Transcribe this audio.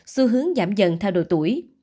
xu hướng giảm dần theo độ tuổi